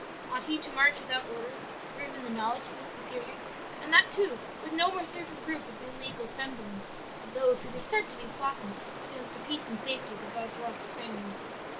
"'Ought he to march without orders or even the knowledge of his superiors? and that too with no more certain proof of the illegal assembling of those who were said to be plotting against the peace and safety of the Vaudois families?'